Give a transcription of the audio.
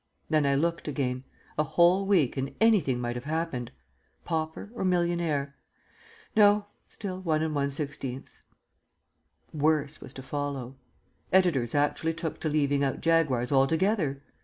Then I looked again; a whole week and anything might have happened. Pauper or millionaire? No, still 1 1/16. Worse was to follow. Editors actually took to leaving out Jaguars altogether.